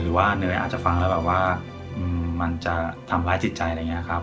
หรือว่าเนยอาจจะฟังแล้วแบบว่ามันจะทำร้ายจิตใจอะไรอย่างนี้ครับ